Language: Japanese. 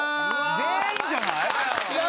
全員じゃない？